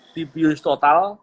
di biuris total